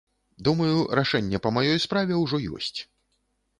Думаю, рашэнне па маёй справе ўжо ёсць.